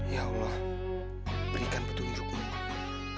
ya allah berikan petunjukmu